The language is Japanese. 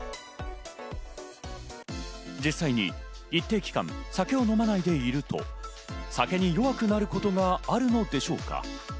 実際に一定期間、酒を飲まないでいると酒に弱くなることがあるのでしょうか。